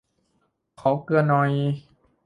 ขอเกลือหน่อย